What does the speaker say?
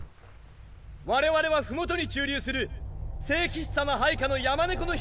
我々は麓に駐留する聖騎士様配下の「山猫の髭」